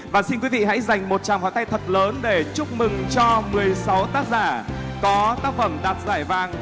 và xin quý vị hãy dành một chàm hoa tay thật lớn để chúc mừng cho một mươi sáu tác giả có tác phẩm đạt giải vàng